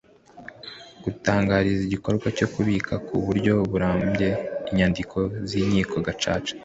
gutangiza igikorwa cyo kubika ku buryo burambye inyandiko z’Inkiko Gacaca